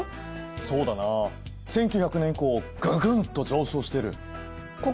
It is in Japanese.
そうだな１９００年以降ぐぐんと上昇してる。